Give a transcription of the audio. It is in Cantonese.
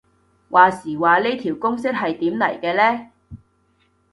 話時話呢條公式係點嚟嘅呢